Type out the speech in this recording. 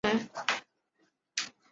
波氏跳蛛为跳蛛科跳蛛属的动物。